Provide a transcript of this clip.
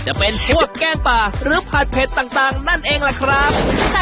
จะเป็นพวกแกงป่าหรือผัดเผ็ดต่างนั่นเองล่ะครับ